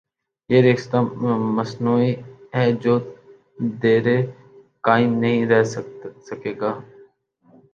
یہ رشتہ مصنوعی ہے جو تا دیر قائم نہیں رہ سکے گا۔